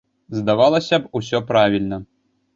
Здавалася б, усё правільна.